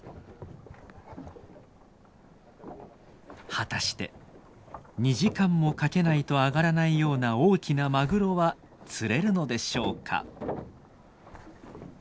果たして２時間もかけないと上がらないような大きなマグロは釣れるのでしょうか。